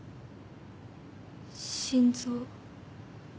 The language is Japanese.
心臓。